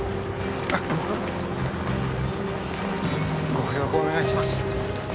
ご協力お願いします。